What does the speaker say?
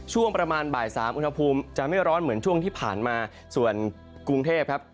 ช่วงประมาณบ่ายสามอุณหภูมิจะไม่ร้อนเหมือนช่วงที่ผ่านมาส่วนกรุงเทพครับ